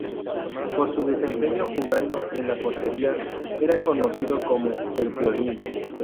Por su desempeño jugando en la portería, era conocido como "El Piolín".